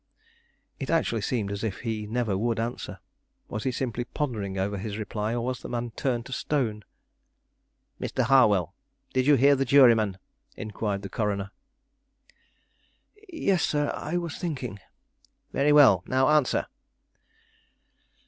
It actually seemed as if he never would answer. Was he simply pondering over his reply, or was the man turned to stone? "Mr. Harwell, did you hear the juryman?" inquired the coroner. "Yes, sir; I was thinking." "Very well, now answer."